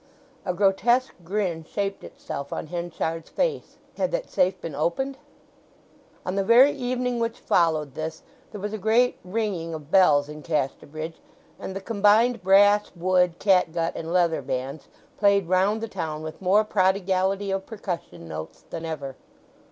A grotesque grin shaped itself on Henchard's face. Had that safe been opened? On the very evening which followed this there was a great ringing of bells in Casterbridge, and the combined brass, wood, catgut, and leather bands played round the town with more prodigality of percussion notes than ever.